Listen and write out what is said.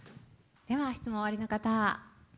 では質問おありの方。